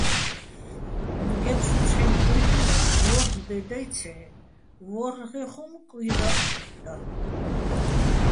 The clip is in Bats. გე́ფსუ, ცჰ̦აჲნი̆ კვირინე, ვორ'ლ დე დაჲციჲე́, ვო́რ'ლღეჼ ხუმ კვირაჸეჸ და.